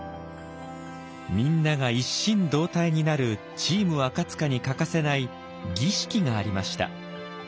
みんなが一心同体になるチーム赤に欠かせない儀式がありました。